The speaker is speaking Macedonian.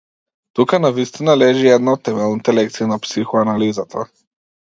Тука навистина лежи една од темелните лекции на психоанализата.